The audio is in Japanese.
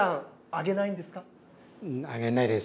上げないです。